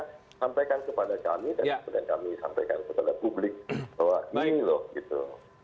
mereka sampaikan kepada kami dan kami sampaikan kepada publik